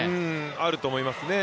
あると思いますね。